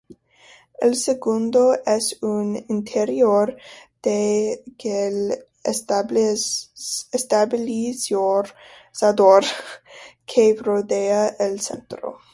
El segundo es un interior de gel estabilizador que rodea el centro.